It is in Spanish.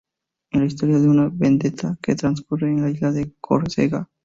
Es la historia de una vendetta que transcurre en la isla de Córcega.